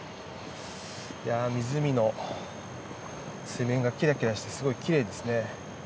いやぁ湖の水面がキラキラしてすごいきれいですね。